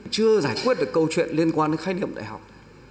chưa giải quyết được câu chuyện liên quan đến khái niệm đại học